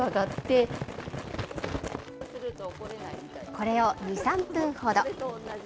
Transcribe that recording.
これを２３分程。